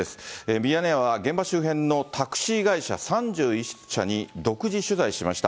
ミヤネ屋は現場周辺のタクシー会社３１社に独自取材しました。